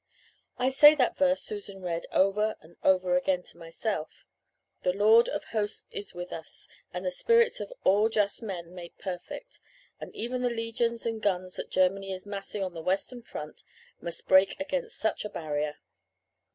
"I say that verse Susan read over and over again to myself. The Lord of Hosts is with us and the spirits of all just men made perfect and even the legions and guns that Germany is massing on the western front must break against such a barrier.